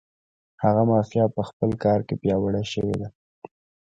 هغه مافیا په خپل کار کې پیاوړې شوې ده.